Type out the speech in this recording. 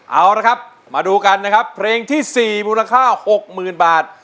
เอาละครับมาดูกันนะครับเพลงที่๔มูลค่า๖๐๐๐บาท